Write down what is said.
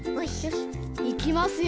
いきますよ！